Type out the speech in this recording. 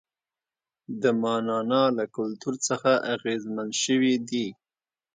د ماڼانا له کلتور څخه اغېزمن شوي دي.